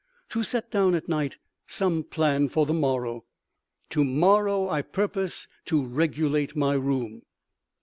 To set down at night some plan for the morrow. To morrow I purpose to regulate my room.